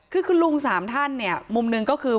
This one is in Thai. คือคุณลุงสามท่านเนี่ยมุมหนึ่งก็คือ